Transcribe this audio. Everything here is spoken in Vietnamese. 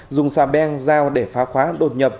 dùng xà beng dao để phá khóa đột nhập